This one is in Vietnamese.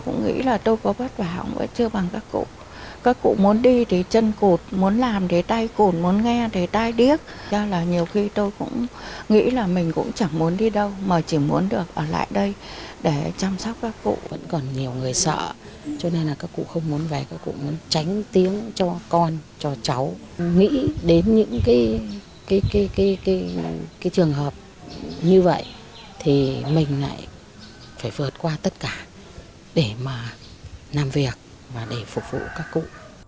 như vậy thì mình lại phải vượt qua tất cả để mà làm việc và để phục vụ các cụ